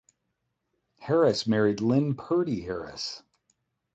Harris married Lynne Purdy Harris.